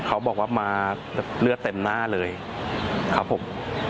เขาบอกว่ามาเลือดเต็มหน้าเลยครับผม